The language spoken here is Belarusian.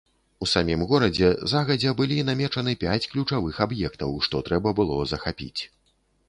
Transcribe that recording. У самім горадзе загадзя былі намечаны пяць ключавых аб'ектаў, што трэба было захапіць.